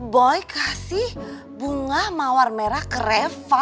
boy kasih bunga mawar merah ke reva